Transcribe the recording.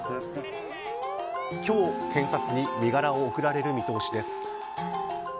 今日、検察に身柄を送られる見通しです。